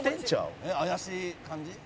「怪しい感じ？」